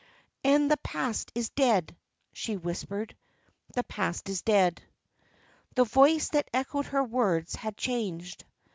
"And the past is dead," she whispered. "The past is dead." The voice that echoed her words had changed.